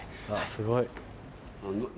すごい。